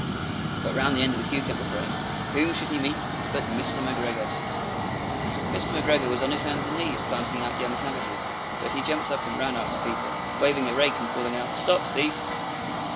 But round the end of a cucumber frame, whom should he meet but Mr. McGregor! Mr. McGregor was on his hands and knees planting out young cabbages, but he jumped up and ran after Peter, waving a rake and calling out, "Stop thief!"